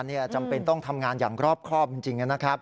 มันจำเป็นต้องทำงานอย่างรอบข้อพิเศษจริงนะครับ